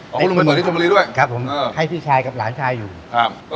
ลงไปตรวจที่ชนบุรีด้วยครับผมก็ให้พี่ชายกับหลานชายอยู่ครับ